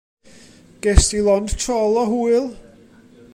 Gest ti lond trol o hwyl?